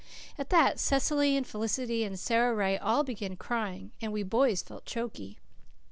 At that Cecily and Felicity and Sara Ray all began crying, and we boys felt choky.